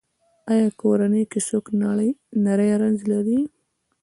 ایا کورنۍ کې څوک نری رنځ لري؟